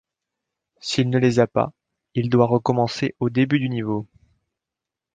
S'il ne les a pas, il doit recommencer au début du niveau.